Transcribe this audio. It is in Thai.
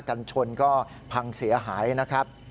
กันชนก็พังเสียหายนะครับ